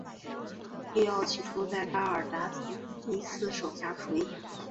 利奥起初在巴尔达尼斯手下服役。